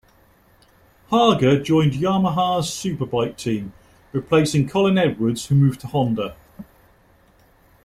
Haga joined Yamaha's Superbike team, replacing Colin Edwards who moved to Honda.